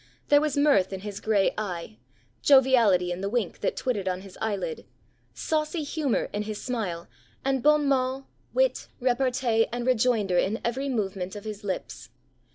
There was mirth in his gray eye, joviality in the wink that twittered on his eyelid, saucy humour in his smile, and bon mot, wit, repartee, and rejoinder in every movement of his lips.